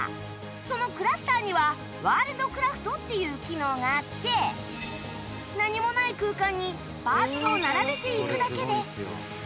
その ｃｌｕｓｔｅｒ にはワールドクラフトっていう機能があって何もない空間にパーツを並べていくだけで